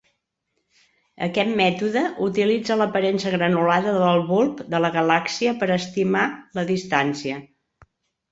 Aquest mètode utilitza l'aparença granulada del bulb de la galàxia per estimar la distància.